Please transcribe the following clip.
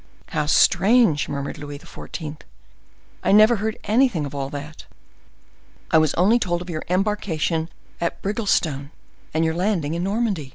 "How strange!" murmured Louis XIV. "I never heard anything of all that; I was only told of your embarkation at Brighelmstone and your landing in Normandy."